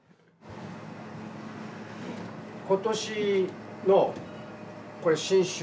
今年のこれ新酒。